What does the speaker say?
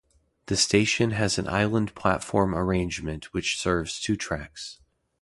The station has an island platform arrangement which serves two tracks.